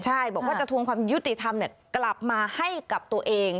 ใช่บอกว่าจะทวงความยุติธรรมกลับมาให้กับตัวเอง